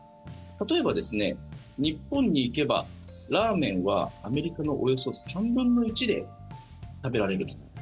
例えば、日本に行けばラーメンはアメリカのおよそ３分の１で食べられると。